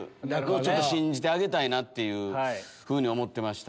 信じてあげたいなっていうふうに思ってました。